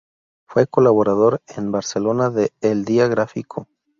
Fue colaborador en Barcelona de "El Día Gráfico".